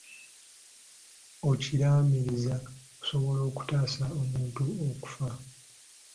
Okiraamiriza osobole okutaasa omuntu okufa.